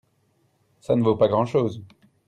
ça ne vaut pas grand-chose.